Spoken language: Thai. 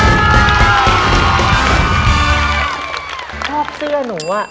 ชอบเสื้อหนูอะ